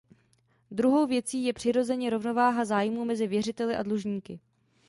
Druhou věcí je přirozeně rovnováha zájmů mezi věřiteli a dlužníky.